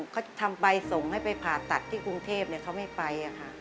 เขาทำใบส่งให้ไปผ่าตัดที่กรุงเทพเขาไม่ไป